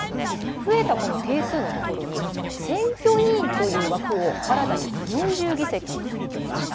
増えた定数のところに選挙委員という枠を新たに４０議席設けました。